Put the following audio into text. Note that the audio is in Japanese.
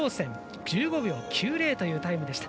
１５秒９０というタイムでした。